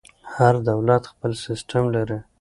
هر دولت خپل سیسټم لري.